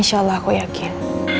insya allah aku yakin